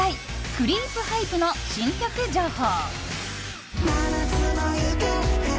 クリープハイプの新曲情報。